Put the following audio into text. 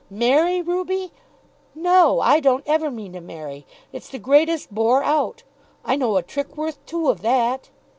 "Marry, Ruby! No, I don't ever mean to marry. It's the greatest bore out. I know a trick worth two of that."